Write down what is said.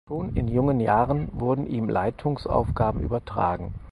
Schon in jungen Jahren wurden ihm Leitungsaufgaben übertragen.